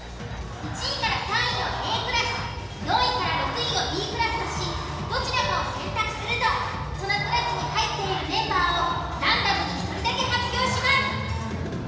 １位３位をＡクラス４位６位をＢクラスとしどちらかを選択するとそのクラスに入っているメンバーをランダムに１人だけ発表します。